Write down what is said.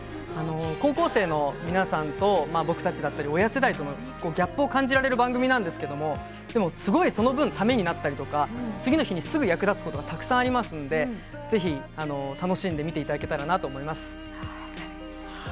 高校生の皆さんや親世代とギャップを感じられる番組なんですけどその分ためになったり次の日にすぐに役立つことがたくさんありますのでぜひ楽しんで見ていただけたらな